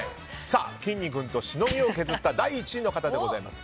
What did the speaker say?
きんに君としのぎを削った第１位の方です。